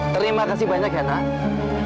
terima kasih banyak ya nak